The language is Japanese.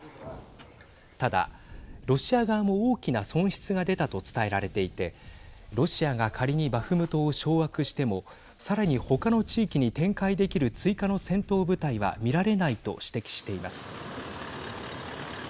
ただ、ロシア側も大きな損失が出たと伝えられていてロシアが仮にバフムトを掌握してもさらに他の地域に展開できる追加の戦闘部隊は見られないと指摘しています。